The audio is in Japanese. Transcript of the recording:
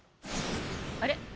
あれ？